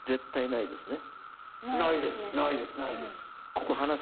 ないですないです。